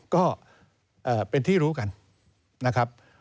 ก็เป็นที่รู้กันนะครับ